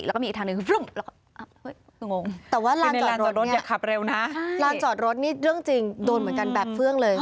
แล้วก็มีอีกทางหนึ่ง